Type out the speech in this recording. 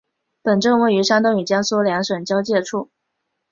本镇位于山东与江苏两省交界处。